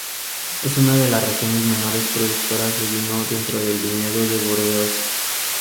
Es una de las regiones menores productoras de vino dentro del viñedo de Burdeos.